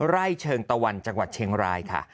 ไร่เชิงตะวันจังหวัดเชียงรายค่ะ